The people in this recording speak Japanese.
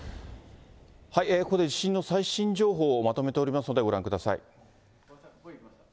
ここで地震の最新情報をまとめておりますので、ご覧ください。